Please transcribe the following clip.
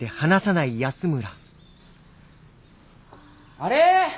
あれ？